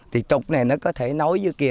thì trục này nó có thể nối dưới kia